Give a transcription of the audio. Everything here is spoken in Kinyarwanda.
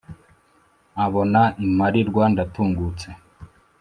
Abona Imparirwa ndatungutse